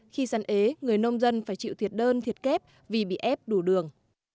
khi săn ế người nông dân phải chịu thiệt đơn thiệt kép vì bị ép đủ đường